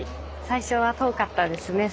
最初は遠かったですね